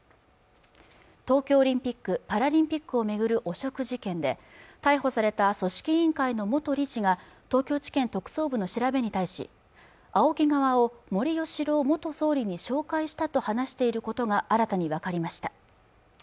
東京オリンピックパラリンピックを巡る汚職事件で逮捕された組織委員会の元理事が東京地検特捜部の調べに対しＡＯＫＩ側を森喜朗元総理に紹介したと話していることが新たに分かりました